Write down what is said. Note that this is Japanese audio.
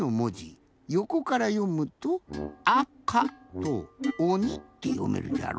よこからよむと「あか」と「おに」ってよめるじゃろ？